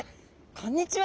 こんにちは。